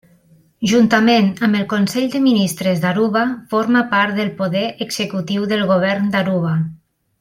Juntament amb el Consell de Ministres d'Aruba forma part del poder executiu del govern d'Aruba.